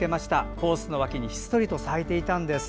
コースの脇にひっそりと咲いていたんです。